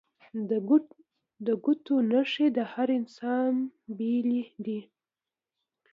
د ګوتو نښې د هر انسان بیلې دي